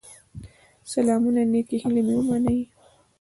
سلامونه نيکي هيلي مي ومنئ